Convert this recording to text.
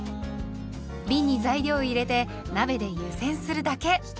びんに材料を入れて鍋で湯煎するだけ。